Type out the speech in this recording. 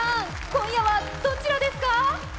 今夜はどちらですか？